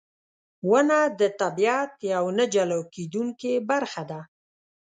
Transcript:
• ونه د طبیعت یوه نه جلا کېدونکې برخه ده.